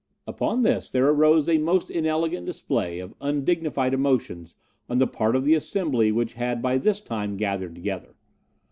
"Upon this there arose a most inelegant display of undignified emotions on the part of the assembly which had by this time gathered together.